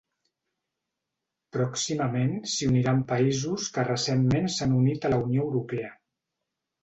Pròximament s'hi uniran països que recentment s'han unit a la Unió Europea.